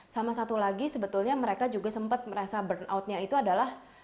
sama satu lagi sebetulnya mereka juga sempat merasa burnoutnya itu adalah